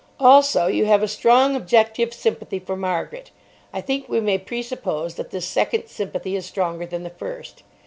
Also, you have a strong objective sympathy for Margaret. I think we may presuppose that this second sympathy is stronger than the first.